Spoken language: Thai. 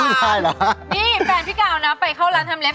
นี่แฟนพี่กาวนะไปเข้าร้านทำเล็บ